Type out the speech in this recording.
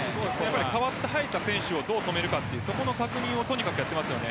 代わって入った選手をどう止めるかというそこの確認をやっていますよね。